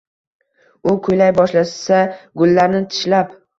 U kuylay boshlasa, gullarni tishlab